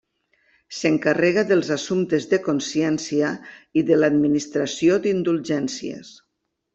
S'encarrega dels assumptes de consciència i de l'administració d'indulgències.